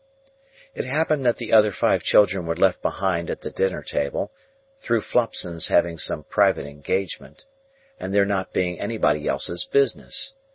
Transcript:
It happened that the other five children were left behind at the dinner table, through Flopson's having some private engagement, and their not being anybody else's business.